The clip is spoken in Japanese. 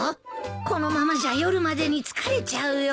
このままじゃ夜までに疲れちゃうよ。